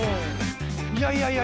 いやいやいや。